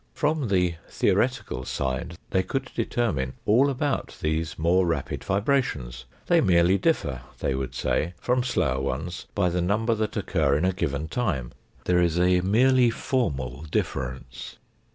From the theoretical side they could determine all about these more rapid vibrations. They merely differ, they would say, from slower ones, by the number that occur in a given time; there is a merely formal difference.